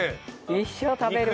一生食べるもの？